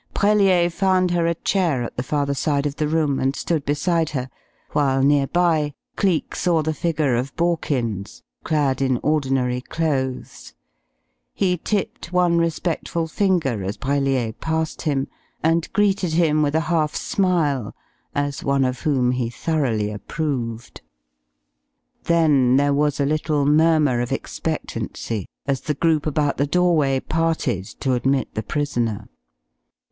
Brellier found her a chair at the farther side of the room, and stood beside her, while near by Cleek saw the figure of Borkins, clad in ordinary clothes. He tipped one respectful finger as Brellier passed him, and greeted him with a half smile, as one of whom he thoroughly approved. Then there was a little murmur of expectancy, as the group about the doorway parted to admit the prisoner.